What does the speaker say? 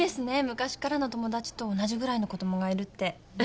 昔っからの友達と同じぐらいの子供がいるって。